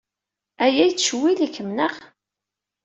Aya yettcewwil-ikem, naɣ?